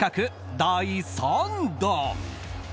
第３弾。